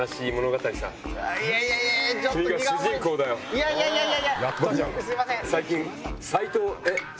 いやいやいやいや！